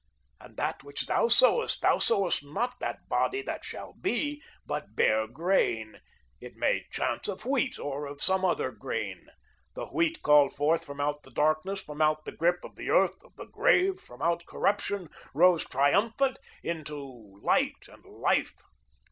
And that which thou sowest, thou sowest not that body that shall be, but bare grain. It may chance of wheat, or of some other grain. The wheat called forth from out the darkness, from out the grip of the earth, of the grave, from out corruption, rose triumphant into light and life.